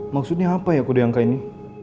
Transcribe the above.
maksudnya apa ya aku udah yang kaya ini